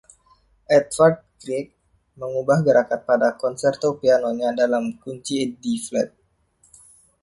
Edvard Grieg menggubah gerakan pada Konserto Pianonya dalam kunci D-flat.